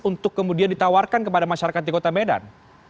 untuk kemudian ditawarkan kepada masyarakat di kota medan